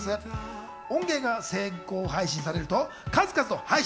音源が先行配信されると、数々の配信